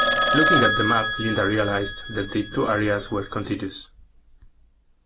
Looking at the map, Linda realised that the two areas were contiguous.